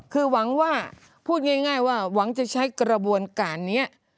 คือหวังว่าพูดง่ายว่าหวังจะใช้กระบวนการนี้